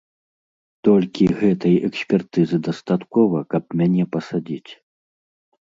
Толькі гэтай экспертызы дастаткова, каб мяне пасадзіць.